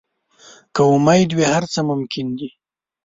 که امید وي، هر څه ممکن دي.